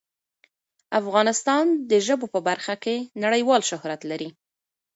افغانستان د ژبو په برخه کې نړیوال شهرت لري.